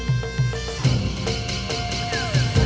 เธอไม่รู้ว่าเธอไม่รู้